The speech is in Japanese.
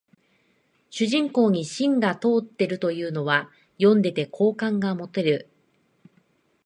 主人公に芯が通ってるというのは読んでて好感が持てる